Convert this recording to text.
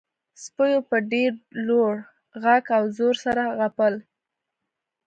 سپیو په ډیر لوړ غږ او زور سره غپل